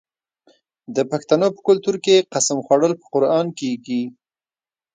د پښتنو په کلتور کې د قسم خوړل په قران کیږي.